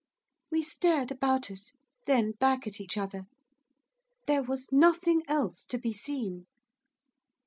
We stared about us, then back at each other, there was nothing else to be seen.